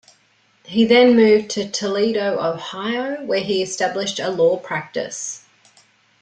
He then moved to Toledo, Ohio, where he established a law practice.